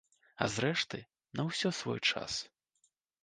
А зрэшты, на ўсё свой час.